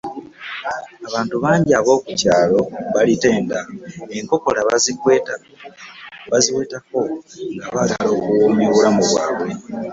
Abantu bangi ab'oku kyalo balitenda, enkokola baaziwetako nga baagala okuwonya obulamu bwabwe.